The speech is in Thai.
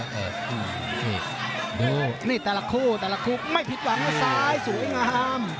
โฮนี่แต่ละคู่ไม่ผิดหวังซ้ายสูงอิงอาม